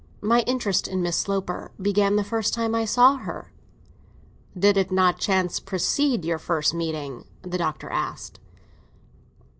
My interest in Miss Sloper began the first time I saw her." "Did it not by chance precede your first meeting?" the Doctor asked.